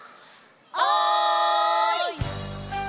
「おい！」。